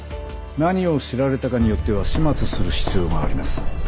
何を知られたかによっては始末する必要があります。